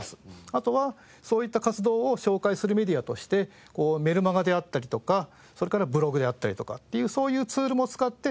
あとはそういった活動を紹介するメディアとしてメルマガであったりとかそれからブログであったりとかっていうそういうツールも使って。